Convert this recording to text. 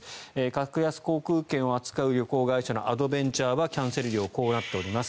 格安航空券を扱う旅行会社のアドベンチャーはキャンセル料はこうなっております。